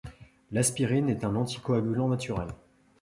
L’aspirine est un anti-coagulant naturel.